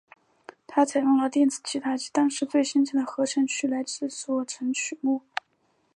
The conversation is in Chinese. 它采用了电子吉他及当时最先进的合成器来制作曲目。